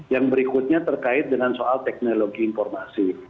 yang berikutnya terkait dengan soal teknologi informasi